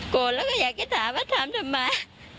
โกรธแล้วก็อยากจะถามว่าทำทำไม